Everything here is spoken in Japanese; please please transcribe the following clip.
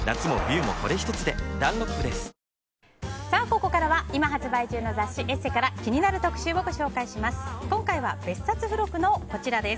ここからは今発売中の雑誌「ＥＳＳＥ」から気になる特集をご紹介します。